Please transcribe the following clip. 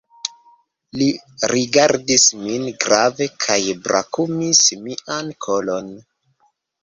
Li rigardis min grave kaj brakumis mian kolon.